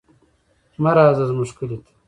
مه راځه زموږ کلي ته.